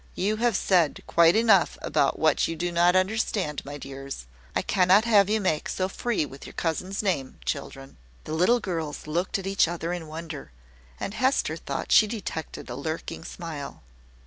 "You have said quite enough about what you do not understand, my dears. I cannot have you make so free with your cousin's name, children." The little girls looked at each other in wonder; and Hester thought she detected a lurking smile.